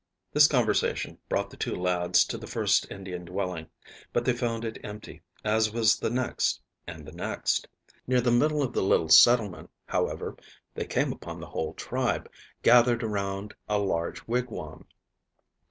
This conversation brought the two lads to the first Indian dwelling, but they found it empty, as was the next and the next. Near the middle of the little settlement, however, they came upon the whole tribe, gathered around a large wigwam.